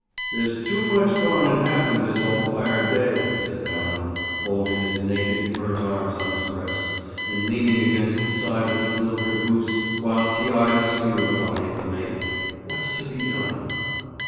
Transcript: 'There's too much gone and happened this all fired day,' said Allan, folding his naked, burnt arms on his breast, and leaning against the side of his little caboose whilst he eyed askew the body of the mate. 'What's to be done?'